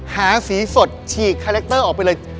หาสีสดฉีกคาแรคเตอร์ออกไปเลย